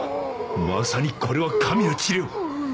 まさにこれは神の治療！